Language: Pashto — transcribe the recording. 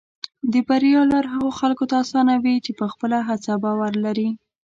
د بریا لار هغه خلکو ته اسانه وي چې په خپله هڅه باور لري.